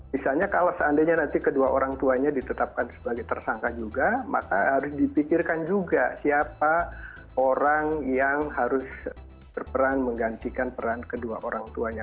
misalnya kalau seandainya nanti kedua orang tuanya ditetapkan sebagai tersangka juga maka harus dipikirkan juga siapa orang yang harus berperan menggantikan peran kedua orang tuanya